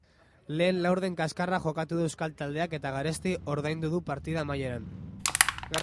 Lehen laurden kaskarra jokatu du euskal taldeak eta garesti oradindu du patida amaieran.